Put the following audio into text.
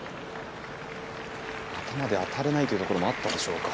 頭であたれないというところもあったんでしょうか。